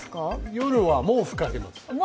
夜は毛布かけます。